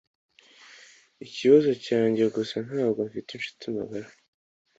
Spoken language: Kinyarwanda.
Ikibazo cyanjye gusa ntabwo mfite inshuti magara.